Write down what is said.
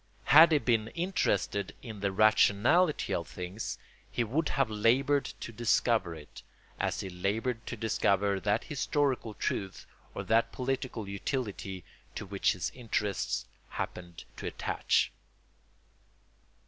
Had he been interested in the rationality of things he would have laboured to discover it, as he laboured to discover that historical truth or that political utility to which his interests happened to attach.